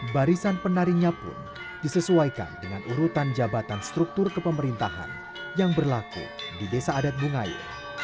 barisan penarinya pun disesuaikan dengan urutan jabatan struktur kepemerintahan yang berlaku di desa adat bungaya